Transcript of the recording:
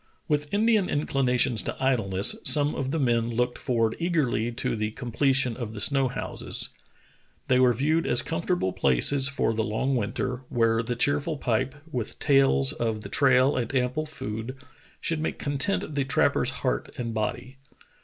With Indian inclinations to idleness, some of the men looked forward eagerl}^ to the completion of the snow houses. They were viewed as comfortable places for the long winter, where the cheerful pipe, with tales of the trail and ample food, should make content the trap per's heart and body.